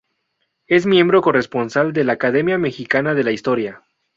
Es miembro corresponsal de la Academia Mexicana de la Historia.